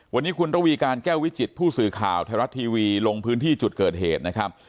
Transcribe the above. วันนี้คุณระวีการแก้ววิจิตผู้สื่อข่าวไทยรัฐทีวีลงพื้นที่จุดเกิดเหตุนะครับ